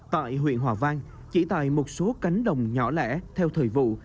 tại huyện hòa vang chỉ tại một số cánh đồng nhỏ lẻ theo thời vụ